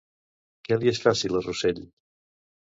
Què li es fàcil a Rosell?